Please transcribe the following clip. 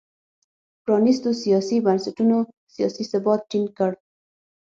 پرانیستو سیاسي بنسټونو سیاسي ثبات ټینګ کړ.